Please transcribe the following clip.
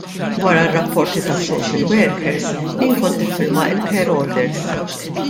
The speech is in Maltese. Wara r-rapporti tas-social workers jien kont niffirma l-care orders.